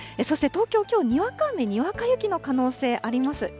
そして東京、きょう、にわか雨、にわか雪の可能性あります。